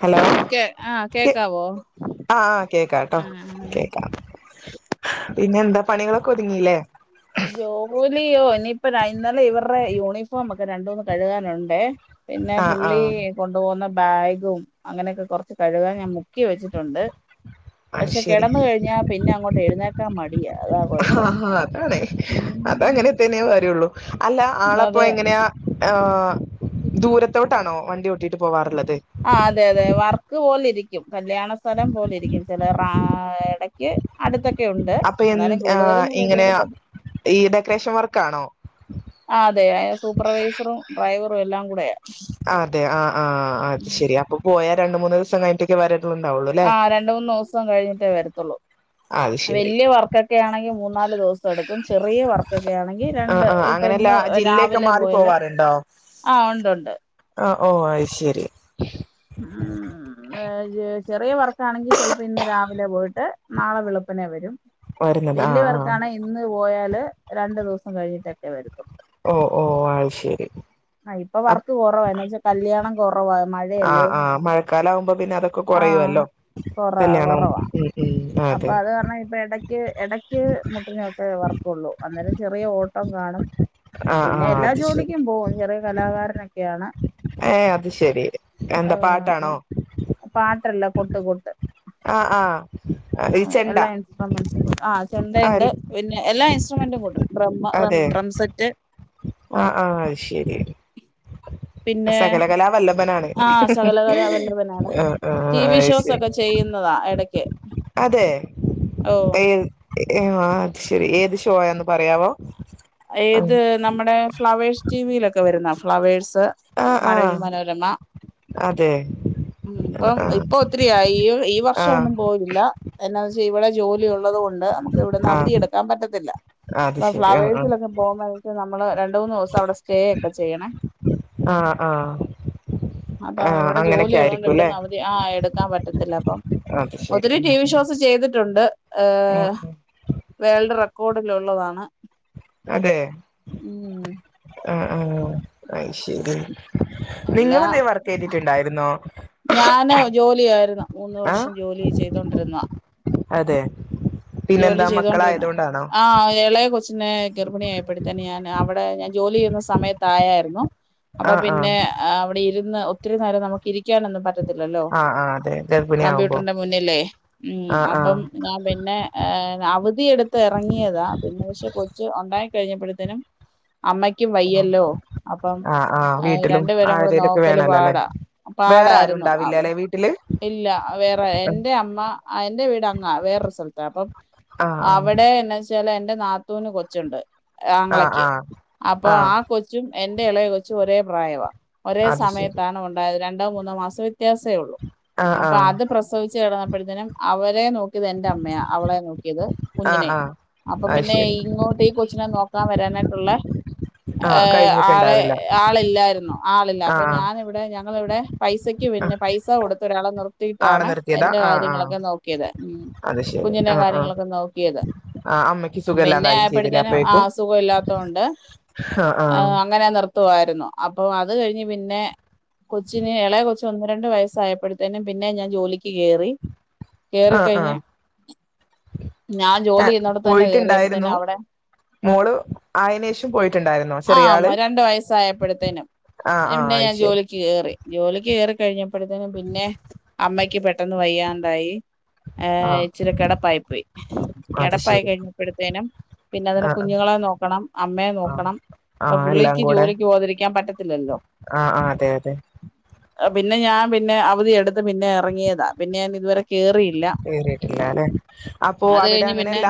Hello, കേ ആഹ് കെ കേക്കാവോ ആഹ്, കേക്കാട്ടോ ആഹ് ആഹ് കേക്കണം പിന്നെ എന്താ പണികളൊക്കെ ഒതുങ്ങീലേ? ലിയോ ഇനിയിപ്പതാ ഇന്നലെ ഇവർടെ യൂണിഫോമ് ഒക്കെ രണ്ടൂന്ന് കഴുകാന്ണ്ടേ പിന്നെ ആ ആ പുള്ളി കൊണ്ടു പോവുന്ന, ബാഗും അങ്ങനെയൊക്കെ കൊറ ച്ച് കഴുകാൻ ഞാൻ മുക്കി വെച്ചിട്ടുണ്ട്. ആ പക്ഷെ ശരി കെടന്ന് കഴിഞ്ഞാ പിന്നെ അങ്ങോട്ട് എഴുന്നേക്കാൻ മടിയാ അതാ ആ കൊഴപ്പം. അതാണ് അതങ്ങനെ തന്നെയാ വരുള്ളൂ അല്ല ആളപ്പോ അതെ എങ്ങനെയാ? ആഹ് ദൂരത്തോട്ടാണോ വണ്ടി ഓട്ടീട്ട് പോവാറ്ള്ള ആ അതെ അതെ വർക്ക് പോലെ രിക്കും. കല്യാണ സ്ഥലം പോലെ ഇരിക്കും ചെല റാടെ ക്ക് അടുത്ത അപ്പൊ എൻഏഹ് ഇങ്ങനെ ഈ ഡെക്കറേഷൻ വർക്കാണോ? ആ് അതെ സൂപ്പർവൈസറും ഡ്രൈവറും എല്ലാം- കൂടെയാ അതെ ആ അ ശെരി അപ്പൊ പോയാൽ രണ്ട് മൂന്ന് ദിവസം കഴിഞ്ഞിട്ടേ വര - ആ രണ്ട മൂന്ന് ദിവസം കഴിഞ്ഞിട്ടേ വരത്തുള്ളൂ അത് ശരി വലിയ വർക്കൊക്കെ ആണെങ്കി മൂന്നാല് ദിവസം എടുക്കും ചെറിയ വർക്കൊക്കെ ആണെങ്കിൽ ആ രണ്ട് ആ ഇപ്പൊ അങ്ങനെയല്ല ഇന്ന് ജില്ലയൊക്കെ രാവിലെ മാറി പോയല് പോവാറുണ്ടോ ആ ഒണ്ട് ആ ഓ ഓ അയി ശരി ഉം ചെറിയ വർക്കാണെങ്കിൽ ചിലപ്പോ ഇന്ന് രാവിലെ പോയിട്ട് നാളെ വെളുപ്പനെ വരും വരുന്നത് വല്യ ആഹ് ആഹ് വർക്കാണെ ഇന്ന് പോയാല- പിന്നെ രണ്ടു ദിവസം കഴിഞ്ഞിട്ടൊക്കെ വരുതൊള്ളൂ ഓ ഓ അത് ശരി ആ ഇപ്പൊ വർക്ക് കുറവയെന്നു വച്ചാൽ കല്യാണം കുറവാ ആ മഴയല്ലേ ആഹ മഴക്കാല ആകുമ്പോ പിന്നെ അതൊക്കെ ആഹ് കുറയുമല്ലോ കൊറ കല്യാണവും കൊറവാ ഉം ഉം അതൊക്കെ ഏ [unintelligible] ഇടയ്ക്ക് മുട്ടിനോക്കെ വറപ്പ [unintelligible] ള്ളൂ അന്നേരം ചെറിയ ഓട്ടം കാണും ആഹ് പിന്നെ ആഹ് എല്ലാ അത് ശരി ജോലിക്കും പോകും ചെറിയ കലാകാരനാ ഓക്കെയാണ് ഏ അത് ശെരി എന്താ പാട്ടാണോ? ട്ടല്ല, കൊട്ട് കൊട്ട്. ആഹ് ആഹ് ആ ഈ ചെണ്ട എല്ലാ ഇൻസ്ട്രുമെൻസും കൊ ആഹ് ചെണ്ട ഉണ്ട് ആഹ് പിന്നെ എല്ലാ ഇൻസ് ടുമെൻ്റും കൊട്ടും. ഡ്രമ്മ് റം അതെ ഡ്രംസെറ്റ് ആഹ് ആഹ് അത് ശരി പിന്നെ സകല കലാ വ ഭനാണ്. ആ സകലകലാവല്ലഭനാണ് അ ടി ആഹ് വി ഷോസ് അയ്ശെരി ഒക്കെ ചെയ്യുന്നതാ എടക്ക് അതേ ഓ ഏത് [unintelligible] ശരി ഏത് ഷോയാന്ന് പറയാവോ ഏത് നമ്മടെ ഫ്ളവേഴ്സ് ടി വിയിലൊക്കെ വരുന്ന, ഫ്ളവേഴ്സ് ആഹ് മഴവിൽ ആഹ് മനോരമ അതെ ഇപ്പം ആഹ് ഇപ്പൊ ഒത്തിരി ആയി ഈ ഈ വർഷം ആഹ് ഒന്നും പോയില്ല. എന്നാ [unintelligible] ഇവിടെ ജോലി ഉള്ളത് കൊ ണ്ട് അമുക്ക് ഇവിടന്ന് ആഹ് അവധി എടുക്കാൻ പറ്റത്തില്ല അത് [unintelligible] ശരി ആ ഫ്ലവേഴ് സേ ആ പോവുമ്പ [unintelligible] നമ്മള് രണ്ട് മൂന്നൂസവടെ സ്റ്റേ ഒക്കെ ചെയ്യണേ ആ ആ അപ്പ ആ ഇവിടെ അങ്ങനെയൊക്കെ ജോലിയുള്ളോണ്ട് ആയിരിക്കുംല്ലേ ഇവിടുന്ന് അവധി ആ എടുക്കാൻ പ ത്തില്ല അപ്പം അത് ശരി ഒത്തിരി ടി വി ഷോസ് ചെയ്തിട്ടുണ്ട്. ഏ ആ വേൾഡ് റെ ക്കോർഡ്ലെയുള്ളതാണ്. അതെ ആ ആ ആയിശേരി എല്ലാം ഞാന് ജോലി ആയിരുന്നു മൂന്ന് ആ വർഷം ജോലി ചെയ്തോണ്ടിരുന്നാ. അതെ ജോലി പിന്നെന്താ ചെയ്തോണ്ടിരുന്ന മക്കളായതുകൊണ്ടാണോ ആ ഇളയെ കൊച്ച് ന്നേ ഗർഭിണിയ ആയപ്പാതെന്നെ ഞാൻ അവിടെ ഞാൻ ജോലി ചെയ്യുന്ന സമയത്ത ആയായിരുന്നു. അപ്പൊ ആ ആ പിന്നെ അവിടെ ഇരു രിന്നു ഒത്തിരി നേരം നമുക്ക് ഇരി രിക്കാനൊന്നും പറ്റത്തില്ലല്ലോ. ആ ആ അതെ ഗർഭിണി ആവുമ്പോ കമ്പ്യൂട്ടറിന്റെ മുന്നിലേ മം ആ ആ അപ്പം ഞാൻ പിന്നെ എ അവധി എടുത്ത് ഇറങ്ങിയതാ പിന്നെ പക്ഷെ കൊച്ച ഉണ്ടായി ണ്ടായി കഴിഞ്ഞപ്പോഴത്തനും അമ്മയ്ക്കും വയ്യല്ലോ അപ്പം ആ ആ വീട്ടിലും രണ്ടു പേരും കൂടെ ആരേലൊക്കെ നോക്കല് വേണല്ലോ അല്ലെ പാടാ വേറെ ആരും പാടായിരുന്നു. ആ ഉണ്ടാവില്ല അല്ലെ വീട്ടില് ഇല്ല വേറെ എന്റെ അമ്മ ആ എന്റെ വീട് അങ്ങ വേറൊരു സ്ഥലത്ത അപ്പം ആ അവിടെ എന്നാച്ചാല് എൻ എന്റെ നാത്തൂന് കൊച്ചുണ്ട് ആ ആ ആങ്ങളക്ക് ആ അപ്പൊ ആ കൊച്ചും എന്റെ ഇളയെ കൊച്ചും ഒരേ - പ്രായവാ ഒരേ അത് ശരി സമയത്താണ് ഉണ്ടായത് രണ്ട്- രണ്ടോ മൂന്നോ മാസവേ വ്യത്യാസമേ ഉള്ളൂ ആ ആ അപ്പൊ അത് പ്രസവിച്ചു താ പ്പത്തിന് അവരെ നോക്കി എന്റെ അമ്മയ അവളെ ക്കിയത് ആ കുഞ്ഞിനെ ആ അപ്പൊ അത് പിന്നെ ശരി ഇങ്ങോട്ട് ഈ കൊച്ചിനെ നോക്കാൻ വരാനായിട്ടുള്ള ആഹ് ആളെ കഴിഞ്ഞിട്ടുണ്ടാവില്ല ആളില്ലായിരുന്നു ആഹ് ആളില്ലഞാൻ ഇവിടെ ഞങ്ങളിവിടെ പൈസക്ക് എനിക്ക് ആഹ് പിന്നെ പൈസ കൊടുത്ത് ഒരാളെ നിർ ആടെ നിർത്തിട്ടാണ് നിർത്തിയതാ എന്റെ ആഹ് ആഹ് കാര്യങ്ങളൊക്കെ നോക്കിയത് അത് ശരി കുഞ്ഞിന്റെ ആഹ് കാര്യം ര്യങ്ങൾ ആഹ് എല്ലാം നോക്കിയത് ആഹ് അമ്മയ്ക്ക് പിന്നെ സുഖല്ലാതായും ആയപ്പോ തേക്കിനും ആ അസുഖമെല്ലാം തോണ്ട് ഹ് ആ ഹ പോവരുന്നു അപ്പോ അത് കഴിഞ്ഞു പിന്നെ കൊച്ചിനെഎ ളെ കൊച്ചിനെ ഒന്ന് രണ്ടു വയസ്സായപോത്തനും പിന്നെ ഞാൻ ജോലിക്ക് കേറി കേറി ആഹ് കയിഞ്ഞ് ആഹ് ഞാൻ ഏഹ് ജോലിചെയ്യുന്നിടത്തു തന്നെ കേറിയപ്പോ തന്നെ പോയിട്ടുണ്ടായിരുന്നു അവിടെ മോള് ആയനേഷം പോയിട്ടുണ്ടായിരുന്നോ ആ ചെറിയ ആള് രണ്ടു വയസ്സായപോത്തിന് ആഹ് പിന്നെ ആഹ് അത് ഞാൻ ശരി ജോലിക്ക് കേറി കേറി കഴിഞ്ഞപ്പോ തിന് പിന്നെ അമ്മക്ക്പെട്ടന്ന് വയ്യാതായി എ ആഹ് ഇച്ചിരി കിട പോയ്‌ അത് ശരി കിടപായികായിഞ്ഞ പൊത്തിനുംപിന്നെ അതിനെ ആഹ് ആഹ് കുഞ്ഞുങ്ങളെ നോക്കണം അമ്മയെ ആഹ് നോക്കണം അപ്പൊ ആഹ് എല്ലാം പുള്ളിക്ക് കൂടെ ജോലിക്ക് പോവാതിരിക്കാൻ പറ്റത്തില്ലല്ലോ ആഹ് ആഹ് അതെ അതെ പിന്നെ ഞാൻ പിന്നെ അവധി എടുത്തു പിന്നെ എ റങ്ങിയതാ ഇതുവരെ കേറിയില്ല കേറിട്ട് ഇല്ല ല്ലേ അപ്പോ അത് അവിടെ കഴിഞ്ഞ് അങ്ങനെ പിന്നെ ഇല്ല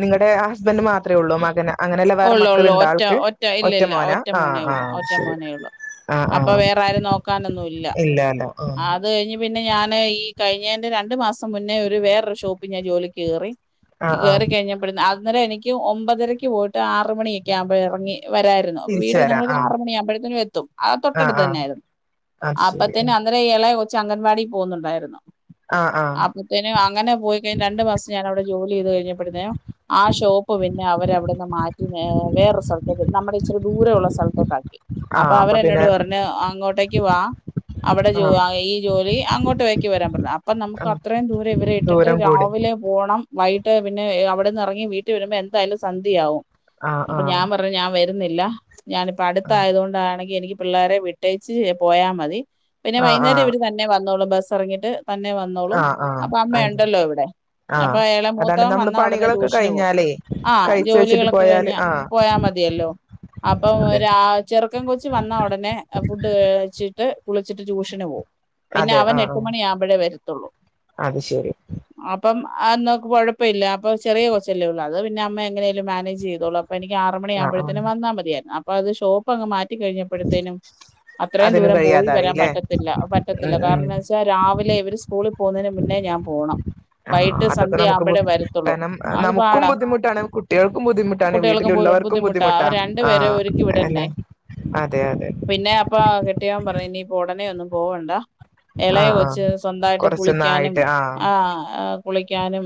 നിങ്ങളുടെ ഹ സ് അത്രേയൊള്ളൂ മകന് അങ്ങനെ അല്ല വേറെ ഉള്ളു ഉള്ളു മക്കളുണ്ടോ ഒറ്റ ആൾക്ക് ഒറ്റ ഇല്ല ഇല്ല ഒറ്റമോനാ ഒറ്റ ആ മോനേ ഉള്ളു ഒറ്റ ഹ് മോനേ ഉള്ളു ആ അപ്പൊ വേറെ ആരും നോക്കാനൊന്നും ഇല്ലാ ല്ലേ പിന്നെഞാന് ഈ കഴിഞ്ഞന്റെ രണ്ടു മാസം മുന്നേ വേറെ ഷോപ്പിൽ ജോലിക്ക് കേറി ഇ ആഹ് ആഹ് കേറിക്കഴിഞ്ഞാപോത്തിന് അന്നേരം എനിക്ക് ഒമ്പത്തരക്ക് പോയിട്ട് ആറു മണി ഒക്കെ ആയെ എറങ്ങി വരായിരുന്നു അപ്പൊ തിരിച്ച് വിട്ടിൽ വരാം നമ്മൾ, ആഹ് ആറുമണിയബോ ത്തിനു ത്തും ആഹ് തൊട്ടടുത്ത് തന്നെ ആഹ് ആയിരുന്നു അത് ശരി അപ്പോത്തിനു അന്നേരം എളേകൊച്ചു ച്ച് അംഗവാടിയിൽ പോവുന്നുണ്ടായിരുന്നു ആഹ് ആഹ് അപ്പോത്തിനു അങ്ങനെ പോയി കയിഞ്ഞ് രണ്ടു മാസം ഞാൻ അവിടെ നിന്നു ജോലിചെയ്ത് കഴിഞ്ഞപ്പോ പിന്നെ ആ ഷോപ്പ് പിന്നെ അവർ അവിടെന്ന് മാറ്റി വേറെ സ്‌ഥത്തേക്ക് നമ്മളെ ഇച്ചിരിദൂരെയുള്ള സ്‌ഥലത്തേക്ക് ആക്കി അപ്പോ ആഹ് അവർ അപ്പൊ പിന്നെ എന്നോട് പറഞ്ഞു അങ്ങോട്ടേക്ക് ആഹ് വാഈ ജോലി അങ്ങോട്ടേക്ക് വരാൻ പറഞ്ഞു അപ്പോ നമ്മക്ക് ആഹ് അത്ര ദൂരം ഇവരെ ഇട്ടിട്ട് ദൂരം കൂടി രാവിലെ പോണം വൈകിട്ട് പിന്നെ അവിടെന്ന് ഇറങ്ങി വീട്ട്- വരുമ്പോ എന്തായാലും സന്ധിയയാവും ആഹ് അപ്പൊ ആഹ് ഞാൻ പറഞ്ഞു ഞാൻ വ- ന്നില്ല ഞാൻ ഇപ്പൊ അടുത്തായതു കൊണ്ടാണെങ്കിൽ എനിക്ക്- പിള്ളേരെ വിട്ടേച്ച് പോയാ മതി പിന്നെ ആഹ് വൈന്നേരം ആഹ് ഇവര് തന്നെ വന്നോളും. ബസ് ഇറങ്ങീട്ട് തന്നെ വന്നോളും ആഹ് അപ്പൊ അമ്മ ആഹ് അത് എണ്ടല്ലോ ഇവിടെ. അപ്പൊ ആഹ് ഏളെ അതാണ് മൂത്തവൻ നമ്മള് വന്നാ ഒടനെ പണികളൊക്കെ ട്യൂഷന് പോകും. കഴിഞ്ഞാലേ ആ കഴിച്ച് വെച്ചിട്ട് ജോലികളൊക്കെ പോയാല് കഴിഞ്ഞ ആഹ് പോയാ മതിയല്ലോ അപ്പം അതെ ഒരാ ചെറുക്കൻ കൊച്ചു വന്നാ ഉടനെ ഫുഡ് കഴിച്ചിട്ട് [unintelligible] കുളിച്ചിട്ട് ട്യൂഷന് പോവും പിന്നെ അതെ അവൻ ആഹ് എട്ട് മണി ആവുമ്പഴേ വരത്തുള്ളൂ ആഹ് അത് ശരി അപ്പം അന്നൊക്ക് കൊഴപ്പവില്ല അപ്പൊ ചെറിയ കൊച്ചല്ലേ ഒ ള്ളു അത് പിന്നെ അമ്മ എങ്ങനേലും മാനേജ് ചെയ്തോളും അ പ്പ എനിക്ക് ആറ് മണി ആഹ് ആഹ് ആകുമ്പഴത്തേനും വന്നാ മതിയായിരുന്നു അ പ്പ അത് ഷോപ്പങ് മാ റ്റി കഴിഞ്ഞപ്പഴത്തേനും അത്രയും അതിനും ദൂരം പോയി വരാൻ കഴിയാതായില്ലേ പറ്റത്തില്ല. പറ്റത്തില്ല ഉം കാരണം ഉം എന്താന്ന് വെച്ചാ രാവിലെ ഇവര് സ്കൂളിൽ പോകുന്നതിന് മുന്നേ ഞാൻ പോണം ആഹ് വൈകിട്ട് സന്ധ്യ അവുമ്പഴേ വരത്തുള്ളൂ അത് ക്കും പാടാ ബുദ്ധിമുട്ടാണ് കുട്ടികൾക്കും ബുദ്ധിമുട്ടാണ് കുട്ടികൾക്കും ബു- വീട്ടിലുള്ളവർക്കും ബുദ്ധിമുട്ടാ അവർ ആ രണ്ടുപേരെ ഒരുക്കി വിടണ്ടേ അല്ലെ അതെ അതെ യാൻ പറഞ്ഞ് ഇനിയിപ്പോ ഉടനെ ഒന്നും പോവണ്ട എളയ ആഹ് ആഹ് കൊച്ച് സ്വന്തായിട്ട് കുളിക്കാനും കൊറച്ചൊന്നായിട്ട് ആഹ് ആ അഹ് കുളിക്കാനും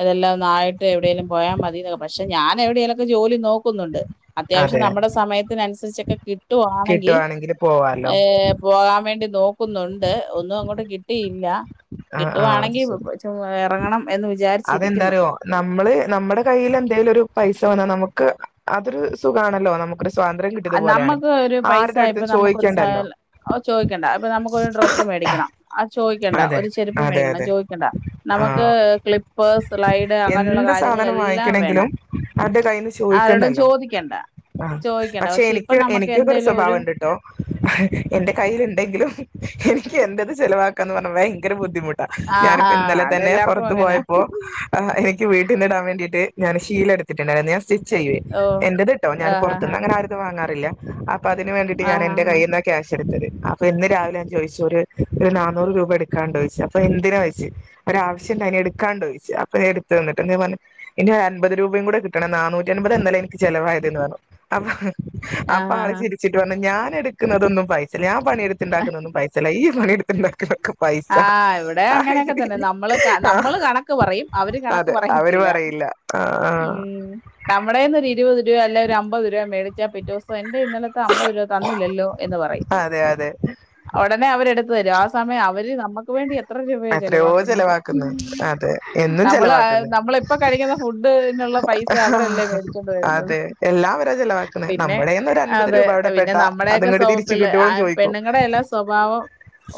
അതെല്ലാം ഒന്നായി ത്ത് എവിടേലും പോയാ മതിന്ന്. പക്ഷെ ഞാ എവിടേലുക്കെ നോ ക്കുന്നുണ്ട് അത്യാവശ്യം അതെ നമ്മുടെ സമയത്തിനനുസരിച്ചൊക്കെ കിട്ടുവാണെങ്കിൽ കിട്ടുവാണെങ്കില് പോവാലോ ഏ പോകാൻ വേണ്ടി നോക്കുന്നുണ്ട് ഒന്നും അങ്ങോട്ട് കിട്ടിയില്ല ആഹ് ആഹ് അത് കിട്ടുവാണെങ്കിൽ ശരി ചോ ഇറങ്ങണം എന്ന് വിചാരിച്ചിരിക്കുന്നു. അതെന്താറിയോ നമ്മള് നമ്മടെ കൈയ്യിലെ എന്തെലും ഒരു പൈസ വന്നാ നമുക്ക് അതൊരു സുഖണല്ലോ നമുക്ക് ആ നമ്മുക്ക് ഒരു പൈസ ഇപ്പൊ അടുത്തും നമുക്കൊരു ചോദിക്കണ്ടല്ലോ സലാം ചോദിക്കണ്ട. ഇപ്പൊ നമുക്കൊരു ഡ്രസ്സ് മേടിക്കണം ആ ചോദിക്കണ്ട, അതെ ഒരു ചെരുപ്പം അതെ മേടിക്കണം അതെ ചോദിക്കണ്ട, നമുക്ക് ആഹ് ക്ലിപ്പ്, സ്ലൈഡ് അങ്ങനെയുള്ള എന്ത് കാര്യങ്ങള സാധനം എല്ലാം വേണം വാങ്ങിക്കണെങ്കിലും ആരുടെ കയ്യിന്ന് ആരോടും ചോദിക്കണ്ടല്ലോ ചോദിക്കണ്ട. ആഹ് ചോ പക്ഷെ എനിക്ക് എനിക്കൊരു സൗഭാവമിണ്ടട്ടോ എന്റെ കയ്യിൽ ഇ ണ്ടാകിലും എനിക്ക് എന്റെത് ചെലവാ ക്കാന്നു പറഞ്ഞ ഭങ്കര ബുദ്ധിമു ട്ട. ആഹാ ഞാനിപ്പൊ ഇന്നലെ തന്നെ അതെല്ലാർക്കും പുറത്തു അങ്ങനാ പോയപ്പോ ഹ് എനിക്ക് വീട്ടിന്നിടാൻ വേണ്ടിട്ട് ഞാന് ഷീല എടുത്തിട്ടുണ്ടായിരിന്നു ഞാൻ സി സിച്ച് ചെയ്യുവെ. ഓ എന്റേത് ട്ടോ ഞാൻ ആഹാഹാ പുറത്ത്ന്ന് അങ്ങനെ ആരതും വാങ്ങ ഇല്ല അ പ്പതിന് വേണ്ടിട്ട് ഞാനെന്റെ ആഹാഹാ കയ്യിന്ന ക്യാഷ് ച്ചെടുത്തത് അപ്പൊ ഇന്ന് രാവിലെ ഞാ ചോയ് ച്ചൊരു [unintelligible] നൂറ് രൂപ എടുക്കാണ്ടോച്ചു അപ്പൊ എന്തിനാ വെച്ച് ഒരാവശ്യണ്ടായിന് എടുക്കാണ്ടോയ്ച്ചു അപ്പോ എടുത്തന്നിട്ട് എന്തെ പറഞ്ഞ ഇനി അൻപത് രൂപയും കൂടെ കിട്ടണം നാനൂറ്റി എൻപത് ഇന്നലെ എനിക്ക് ചെിലവായതേന്‌ പറഞ്ഞു. അപ്പൊ അപ്പോ ആള് ആഹാഹാ ചിരിച്ചിട്ട് പറഞ്ഞ് ഞാൻ എടുക്കുന്നതൊന്നും പൈസില്ലഞാപ് പണിയെടുത്തിണ്ടാക്കുന്ന ഒും പൈസല്ല ഈ പണെടുത്ത് പി ന്നെ കിതക്കും ആ ഇവിടെ അങ്ങനെയൊക്കെ തന്നെ നമ്മള് ആഹ് നമ്മള് കണക്ക് പറയും അവര് കണക്ക് അതെ അവര് പറയത്തില്ല പറയില്ല ആഹ് മ്മ് നമ്മടെന്നൊരു ഇരുപത് രു അല്ല ഒരു അമ്പത് രുപ മേടിച്ചാൽ പിറ്റോസം ന്റെ ഇന്നലത്തെ അമ്പത് രൂപ തന്നില്ലല്ലോ എന്ന് പറയും. അതെ അതെ ഉടനെ അവരെടുത്തു തരും ആ സമയം ഇവര് നമക്ക് വെണ്ടി എത് ത്ര രൂപയാ എത്രയോ ചെലവാക്കുന്നെ ചെലവാക്കുന്ന് അതെ എന്നും നമ്മൾ ചെലവാക്കുന്ന് നമ്മ്മളിപ്പ കഴിക്കുന്ന ഫുഡിനുള്ള പൈസ അവരല്ലേ മേടിച്ചൊണ്ട വരുന്നത് അതെ എല്ലാം അവരാ ചെലവാക്കുന്നെ പിന്നെ നമ്മുടെന്ന് ഒരു അൻപത് അതേ രൂപ അവിടെ പിന്നെ പെട്ടാ നമ്മുടെക്കെ അതങ്ങോട്ട് തിരിച്ച് സ്വപ്പിലെ കിട്ടിയോളും ചോദിക്കും പെണ്ണുങ്ങടെ എല്ലാം സ്വഭാവം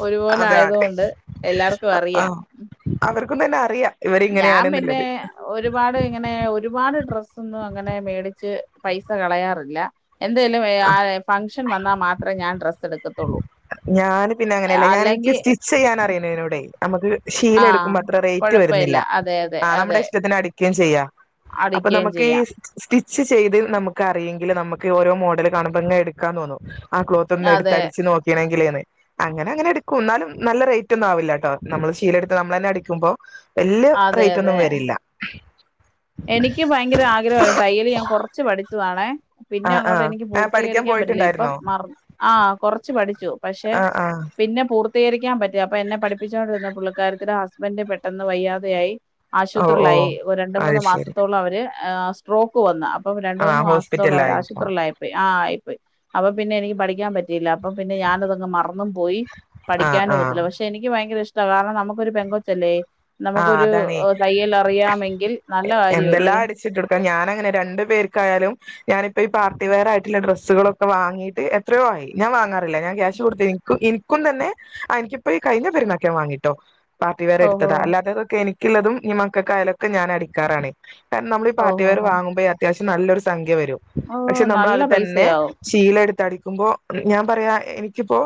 ഒരുപോലെ ആയ ഒണ്ട് എല്ലാർക് അ ആ അവർ പ്പോ പിന്നെ അറിയാം ഞാ പിന്നെ ഇവരിങ്ങനെയാണെന്നുള്ളത് ഒരു പാടിങ്ങനെ ഒരുപാട് ഡ്രസ്സ്‌- പ്പൊന്നും അങ്ങനെ മേടിച് പൈസ കളയാറിപ്ല എന്തേലും ആ ഫങ്ക്ഷന് വന്നാൽ മാത്രേ ഞാൻ ഡ്രസ്സ്‌ എടുക്കു ഒക്കത്തൊള്ളൂ ഞാന് പിന്നെ അങ്ങനെയല്ല ഞാന് എനിക്ക് സ്റ്റിച് ചെയ്യാൻ അറിണിണോട് നമുക്ക്- ആഹ് ശീലെടുക്കുമ്പം അത്ര റേറ്റ് കൊഴപ്പമില്ല വരുന്നില്ല അതെ അതെ ആ നമ്മുടെ അതെ ഇഷ്ടത്തിന് അടിക്കേം ചെയ്യ അപ്പൊ അടിക്കുകയും നമുക്കീ ചെയ്യാം സ്റ്റിച് സ്റ്റിച് ചെയ്ത് നമുക്കറിയേങ്കിൽ നമുക്ക് ഓരോ മോഡൽ കാണുമ്പോങ്ങനെടുക്കാൻ തോന്നും. ആ ക്ലോത്തെന്ന് എടുത്ത് അതെ അടിച്ചു നോക്ക് [unintelligible] അങ്ങനങ്ങാനേട്ക്കും ന്നാലും നല്ല റേറ്റോന്നാവൂലട്ടോ നമ്മള് ശീലെടുത്തമ്മളെന്നടിക്കുമ്പോ. വല്യ അതെ റേറ്റ് ഒന്നും അതെ വരില്ല. എനിക്ക് ഭയങ്കര ആഗ്രഹമായിരുന്നു തയ്യൽ ഞാൻ കുറച്ച് പഠിച്ചതാണേ. പിന്നെ ആ ആ അങ്ങോട്ട് എനിക്ക് ആ പഠിക്കാൻ പൂർത്തീകരിക്കാൻ പറ്റില്ല ഇപ്പം പോയിട്ടുണ്ടായിരുന്നോ മറ ആ കൊറച്ച് പഠിച്ച പക്ഷെ ആ ആ പിന്നെ പൂർ തേരി [unintelligible] അപ്പൊ എന്നെ പഠപ്പിച്ചൊണ്ടരുന്ന പുള്ള അക്കാര്യത്തില ഹസ്ബൻഡ പെട്ടെന്ന് വയ്യാതെയായി, ഓ ഓ ആശുപത്രിയിലായി ഒരു രണ്ട മൂന്ന് അത് മാസം. ശരി മാസത്തോളം അവര് ആ് സ്ട്രോക്ക് വന്ന അപ്പൊ രണ്ട ആ മൂന്ന് മാസത്തോളം അവര് ഹോസ്പിറ്റലായിട്ടോ ആശുപരിൽ ആയിപ്പോയി, ആ ആയി അപ്പൊ പിന്നെനിക്ക് പഠിക്കാൻ പറ്റിയില്ല അപ്പ പിന്നെ ഞാന അതങ് മറ ഒന്നും പോയി ആ പഠിക്കാനും ആ പോത്തില്ല പക്ഷെ എനിക്ക് ഭയങ്കര ഇഷ്ട കാരണം നമുക്കൊരു പെങ്കൊച്ചല്ലേ. ആ നമുക്കൊരു അതാണേ തയ്യൽ അറിയാമെങ്കിൽ നല്ല കാര്യം. ഇതെല്ലാം അടിച്ചിട്ടൊടുക്കാം ഞാനങ്ങനെ രണ്ടു പേർക്കായാലും ഞാനിപ്പോ ഈ പാർട്ടിവെയർ ആയിട്ടുള്ള ഡ്രസ്സുകളൊക്കെ വാങ്ങീട്ട് എത്രയോ ആയി ഞാൻ വാങ്ങാറില്ല ഞാൻ ക്യാഷ് കൊടുത്തി എനിക്കും തന്നെ എനിക്കിപ്പോ ഈകഴിഞ്ഞ പെരുന്നാക്ക് ഞാ വാങ്ങിട്ടോ പാട്ടിവെയർ ഓഹോ എടുത്തത അല്ല എനിക്കുള്ളതും മക്കക്കായലൊക്കെ ഞാൻ അടിക്കാറാണ്. കാരണമ്മളീ പാർട്ടിവയർ ഓഹോഹോ വാങ്ങ്മ്പോ അത്യാവശ്യം നല്ലൊരു സംഖ്യ വരും. ഓ പക്ഷെ നമ്മൾ നല്ല അത് തന്നെ പൈസയാവും ശീലം എടുത്തട ുമ്പോ ഞാൻ പറയാ എനിക്കിപ്പോ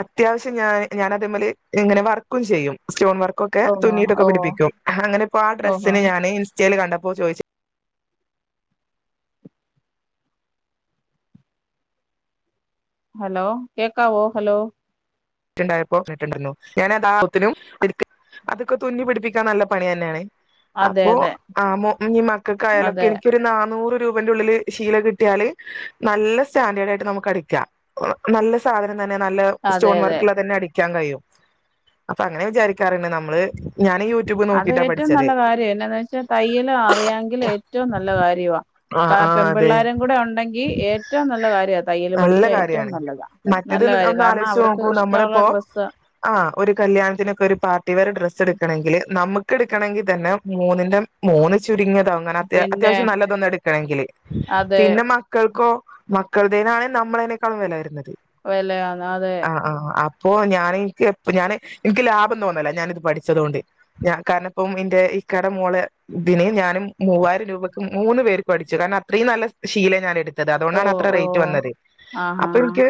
അത്യാവശ്യം ഞാൻ ഞാന അതേ മലെ ഇങ്ങനെ വർക്കും ചെയ്യും. ൂൺ വർക്ക് ഓക്കെ. ഓഹോ തുന്നിട്ടൊക്കെ ഓ പിടിപ്പിക്കും. അങ്ങനെപ്പോ ആ ഓഹോ ഡ്രസ്സിന് ഞാന് ചേൽ കണ്ടപ്പോ ചോയിച്ചു ഹലോ കേക്കാവോ? ഹലോ! [unintelligible] അതൊക്കെ തുന്നി പിടിപ്പിക്കാൻ നല്ല പണി തന്നെയാണ് അതെ അപ്പൊ അതെ ആ മക്കൾക്കായാലൊക്കെ അതെ എനിക്കൊരു നാനൂറ് രൂപ ഉള്ള ശല കിട്ടിയാൽ നല്ല സ്റ്റാട്ട് നമട നല്ല സാധ [unintelligible] െ നല്ല അതെ സ്റ്റോൺ അതെ വർക്ക് തന്നെ അടിക്കാൻ കഴിയും അപ്പൊ അങ്ങനെ വിചാരിക്കാറുണ്ട് നമ്മള് ഞാൻ യൂട്യൂബ് അത് നോക്കിട്ടാ ഏറ്റവും പഠിച്ചത് നല്ല കാര്യം എന്നന്ന് വച്ചാ തയ്യൽ അറിയാങ്കിൽ ഏറ്റവും നല്ല കാര്യമാണ് ആ ആ പെൺ അതെ പിിള്ളോരും കൂടെ ഉണ്ടെങ്കി ഏറ്റവും നല്ല കാര്യമാണ് തയ്യൽ നല്ല പഠിച്ചാ ഏറ്റവും കാര്യാണ് നല്ലതാ മറ്റത് നല്ല കാര്യം ഒന്ന് കാരണം ആലോചിച്ച് അവർക്ക് നോക്കൂ ഇഷ്ടമുള്ള നമ്മളിപ്പോ ഡ്രസ്സ് ആ ഒര് കല്യാണത്തിനൊക്കെ ഒര് പാർട്ടി വെയറ് ഡ്രസ് എട് ണെങ്കില് നമക്ക് എടുക്കണമെങ്കിൽ തന്നെ മൂന്നിൻ്റെ മൂന്ന് വെ ചുരുങ്ങിയത് അങ്ങനെ അത് പിന്നെ അത്യാവശ്യം നല്ലതൊന്ന് എട്ക്കണമെങ്കില് അതെ പിന്നെ മക്കൾക്കോ മക്കളടെതാണ് നമ്മളേനെക്കാളും വെല വെര്ന്നത് വെല ആാ ആാ ആാ അപ്പോ ഞാന് എനിക്ക് ഞാന് എനിക്ക് ലാഭം തോന്നാല്ലാ ഞാന ഇത് പഠിച്ചത്കൊണ്ട് ഞാ കാരണം ഇപ്പം എന്റെ ഈ കട മോള ഇതിനെ ഞാനും മൂവായിരം രൂപയ്ക്ക് മൂന്ന് പേർ പഠിച്ചു കാരണം അത്രയും നല്ല ശീല ഞാൻ എട് [unintelligible] ഓ അതുകൊണ്ടാണ് അത്ര ഓ റേറ്റ് വന്നത് ആ ഹാ അപ്പൊ ഹാ എനിക്ക്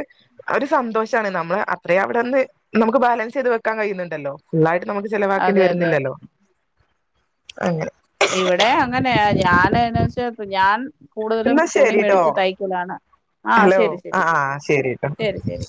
ഒര് സന്തോഷം നമ്മള് അത്രയെ അവടെന്ന് നമക്ക് ബാലൻസ് ചെയ്ത് വെക്കാൻ കഴിയുന്നുണ്ടല്ലോ ഫുൾയിട്ട് നമക്ക് ചെലവാക്കേണ്ടി അതെ അതെ വെരുന്നില്ലല്ലോ അങ്ങനെ ഇവടെ അങ്ങനെയ ഞാന് യെന്ന് വെച്ചാ ഞാൻ കൂടുതലും എന്നാ തുണി ശരിട്ടോ മേടിച്ച് തെയ്ക്കലാണ് ഹലോ ആാ ആാ ശെരിട്ടോ ശരി ശരി